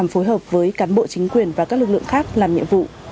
phối hợp với cán bộ chính quyền và các lực lượng khác làm nhiệm vụ